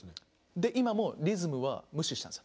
で今もリズムは無視したんです。